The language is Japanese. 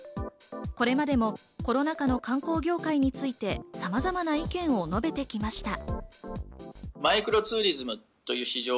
これまでもコロナ禍の観光業界について、様々な意見を述べてきました。